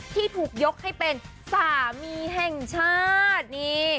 ที่ถูกยกให้เป็นสามีแห่งชาตินี่